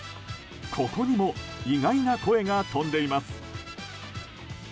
ここにも意外な声が飛んでいます。